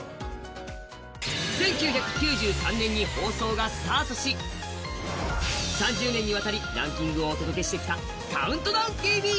１９９３年に放送がスタートし３０年にわたりランキングをお届けしてきた「ＣＤＴＶ」。